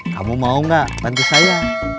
kamu mau gak bantu saya